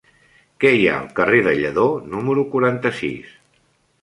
Què hi ha al carrer de Lledó número quaranta-sis?